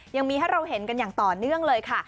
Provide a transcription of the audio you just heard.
ยังมีให้เราเห็นกันอย่างต่อเนื่องเลยค่ะ